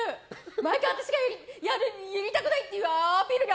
毎回、私のやりたくないってアピールが。